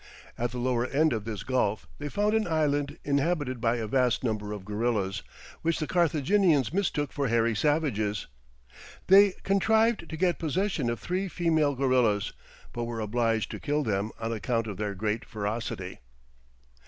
At the lower end of this gulf, they found an island inhabited by a vast number of gorillas, which the Carthaginians mistook for hairy savages. They contrived to get possession of three female gorillas, but were obliged to kill them on account of their great ferocity.